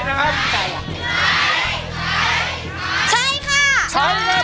น่าจะใช้นะครับ